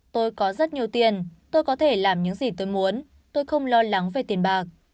tôi có rất nhiều tiền tôi có thể làm những gì tôi muốn tôi không lo lắng về tiền bạc